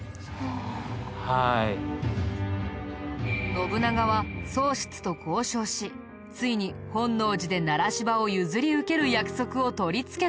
信長は宗室と交渉しついに本能寺で柴を譲り受ける約束を取り付けたみたいなんだ。